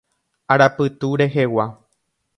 Arapytu rehegua.